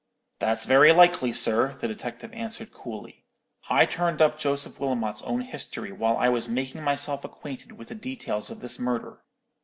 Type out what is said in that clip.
"'That's very likely, sir,' the detective answered, coolly. 'I turned up Joseph Wilmot's own history while I was making myself acquainted with the details of this murder.